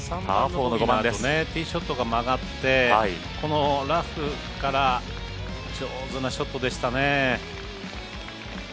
ティーショットが曲がってこのラフから上手なショットでしたね。